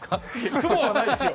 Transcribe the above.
雲はないですよ。